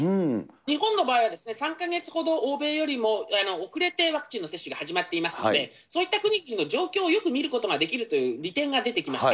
日本の場合は、３か月ほど欧米よりも遅れて、ワクチンの接種が始まっていますので、そういった国々の状況を見る利点ができるという利点が出てきました。